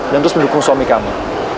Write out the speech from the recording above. dan terus mendukung suami kamu